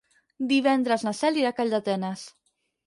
Divendres na Cel irà a Calldetenes.